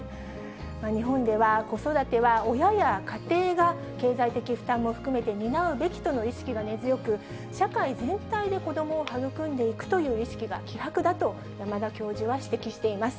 日本では子育ては親や家庭が経済的負担を含めて、担うべきとの意識が根強く、社会全体で子どもをはぐくんでいくという意識が希薄だと山田教授は指摘しています。